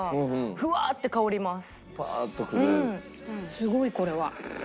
すごいこれは。